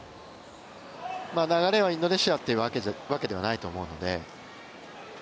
流れはインドネシアというわけではないと思うので。